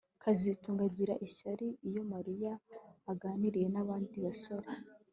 kazitunga agira ishyari iyo Mariya aganiriye nabandi basore